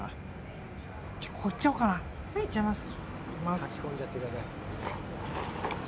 いっちゃいます。